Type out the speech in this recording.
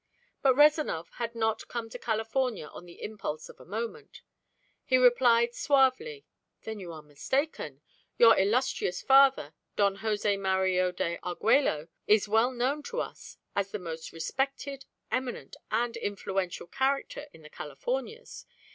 But Rezanov had not come to California on the impulse of a moment. He replied suavely: "There you are mistaken. Your illustrious father, Don Jose Mario de Arguello, is well known to us as the most respected, eminent and influential character in the Californias.